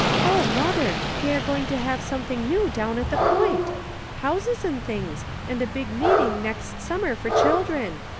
O, mother, they are going to have something new down at the Point ! Houses and things, and a big meeting next sum mer for children.